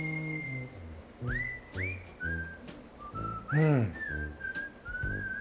うん。